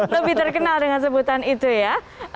lebih terkenal dengan sebutan itu ya